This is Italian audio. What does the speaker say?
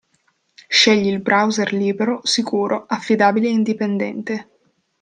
Scegli il browser libero, sicuro, affidabile e indipendente.